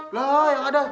lah yang ada